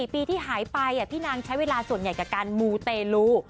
๔ปีที่หายไปพี่นางใช้เวลาส่วนใหญ่กับการมูเตลู